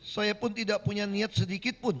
saya pun tidak punya niat sedikitpun